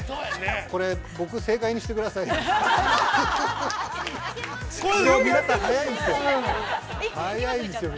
◆これ、僕正解にしてくださいよ。